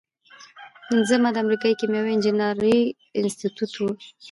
پنځمه د امریکا د کیمیاوي انجینری انسټیټیوټ و.